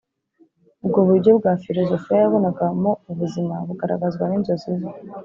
ubwo buryo bwa filozofiya yabonagamo ubuzima bugaragazwa n’inzozi ze